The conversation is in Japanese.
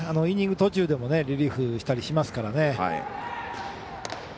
イニング途中でもリリーフしたりしますからね。